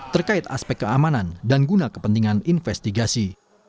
terkait aspek keamanan dan guna kepentingan investigasi